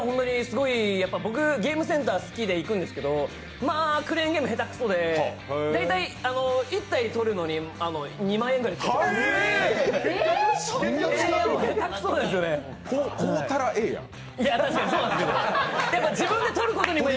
僕ゲームセンター好きで行くんですけどクレーンゲーム下手くそで大体、１体とるのに２万円ぐらいつぎ込む。